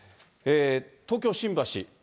東京・新橋。